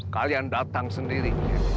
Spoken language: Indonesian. kalian datang sendiri